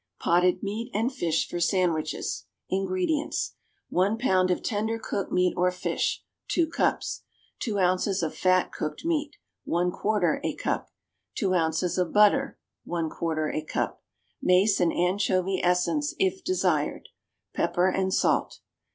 =Potted Meat and Fish for Sandwiches.= INGREDIENTS. 1 pound of tender cooked meat or fish (2 cups). 2 ounces of fat cooked meat (1/4 a cup). 2 ounces of butter (1/4 a cup). Mace and anchovy essence, if desired. Pepper and salt.